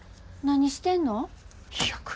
何してんの？